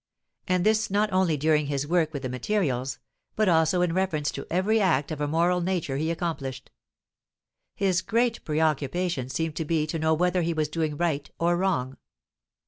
And this not only during his work with the materials, but also in reference to every act of a moral nature he accomplished; his great preoccupation seemed to be to know whether he was doing right or wrong.